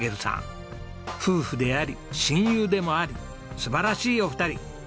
夫婦であり親友でもある素晴らしいお二人。